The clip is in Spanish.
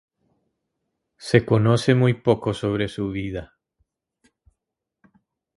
Se conoce muy poco sobre su vida.